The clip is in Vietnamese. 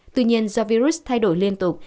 tuy nhiên do virus thay đổi liên tục